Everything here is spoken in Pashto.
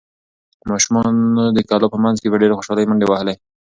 ماشومانو د کلا په منځ کې په ډېرې خوشحالۍ منډې وهلې.